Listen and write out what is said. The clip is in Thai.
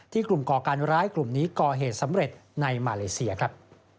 กลุ่มก่อการร้ายกลุ่มนี้ก่อเหตุสำเร็จในมาเลเซียครับ